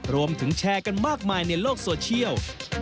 รวมถึงแชร์กันมากมายในโลกโซเชียล